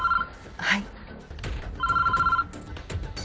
はい。